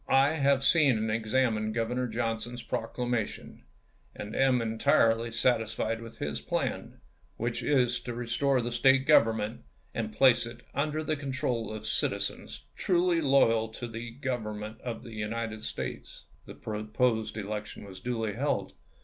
I have seen and examined Governor Johnson's proclama Lincoln to tion, and am entirely satisfied with his plan, which ^fsfc.^of * is to restore the State government and place it tbi^.k .. Feb 27 under the control of citizens truly loyal to the i864. ' ms. Government of the United States." The proposed election was duly held.